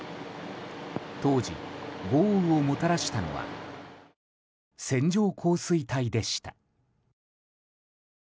当時、豪雨をもたらしたのは線状降水帯でした。